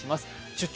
「出張！